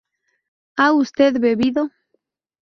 ¿ha usted vivido?